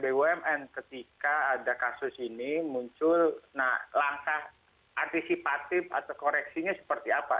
bumn ketika ada kasus ini muncul nah langkah antisipatif atau koreksinya seperti apa